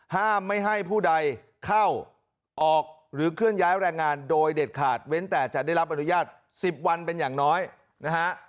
ห้ามไม่ให้ผู้ใดเข้าออกหรือเคลื่อนย้ายแรงงานโดยเด็ดขาดเว้นแต่จะได้รับอนุญาต๑๐วันเป็นอย่างน้อยนะฮะ